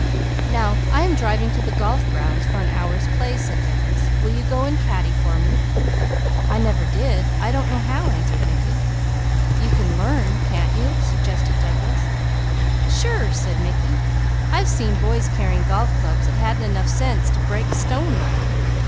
"Now I am driving to the golf grounds for an hour's play," said Douglas. "Will you go and caddy for me?" "I never did. I don't know how," answered Mickey. "You can learn, can't you?" suggested Douglas. "Sure!" said Mickey. "I've seen boys carrying golf clubs that hadn't enough sense to break stone right.